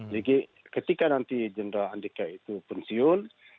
lagi ketika nanti jenderal andika itu pensiun